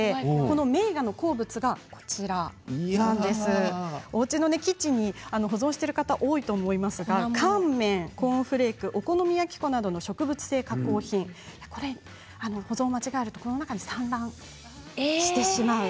メイガの好物がおうちのキッチンに保存している方多いと思いますが乾麺やコーンフレークお好み焼き粉などの植物性加工品保存を間違えるとこの中に産卵してしまいます。